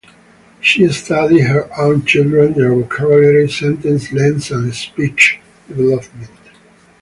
She studied her own children, their vocabulary, sentence length and speech development.